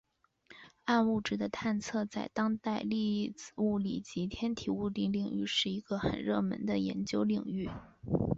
暗物质的探测在当代粒子物理及天体物理领域是一个很热门的研究领域。